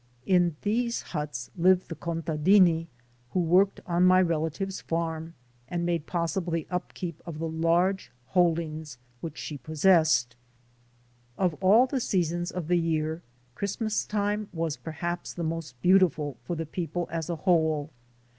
In these huts lived the "contadini" who worked on my relative's farm and made possible the up keep of the large holdings which she possessed. Of all the seasons of the year, Christmas time was perhaps the most beautiful for the people as a whole.